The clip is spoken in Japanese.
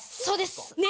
そうです！